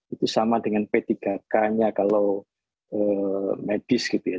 itu sama dengan p tiga k nya kalau medis gitu ya